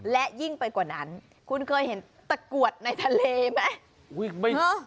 และยิ่งไปกว่านั้นคุณเคยเห็นตะกรวดในทะเลไหม